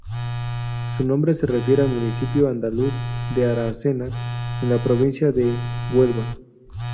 Su nombre se refiere al municipio andaluz de Aracena, en la provincia de Huelva.